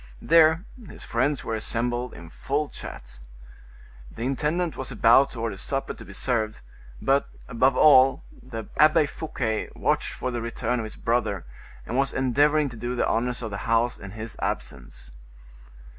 There his friends were assembled in full chat. The intendant was about to order supper to be served, but, above all, the Abbe Fouquet watched for the return of his brother, and was endeavoring to do the honors of the house in his absence.